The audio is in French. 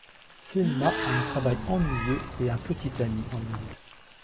Selma a un travail ennuyeux et un petit ami ennuyeux.